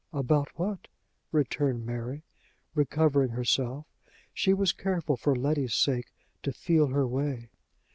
"About what?" returned Mary, recovering herself; she was careful, for Letty's sake, to feel her way.